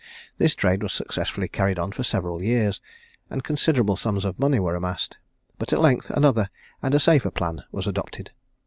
This trade was successfully carried on for several years, and considerable sums of money were amassed; but at length another and a safer plan was adopted.